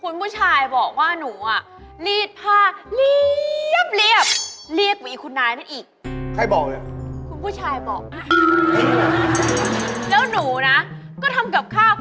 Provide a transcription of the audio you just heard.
แล้วนะคะแล้วนี่แล้วหนูนะ